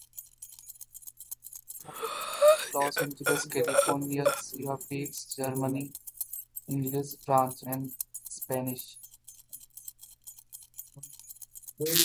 Born in Los Angeles, California, Shiva speaks German, English, French and Spanish.